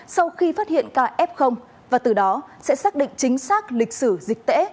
sau khi phát hiện ca f và từ đó sẽ xác định chính xác lịch sử dịch tễ